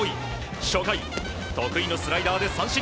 初回、得意のスライダーで三振。